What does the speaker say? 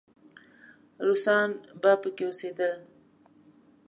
روسان به پکې اوسېدل.